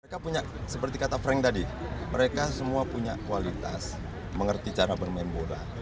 mereka punya seperti kata frank tadi mereka semua punya kualitas mengerti cara bermain bola